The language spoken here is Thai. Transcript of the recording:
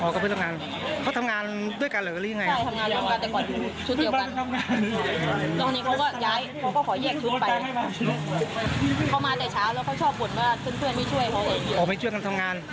คนดีบ้าง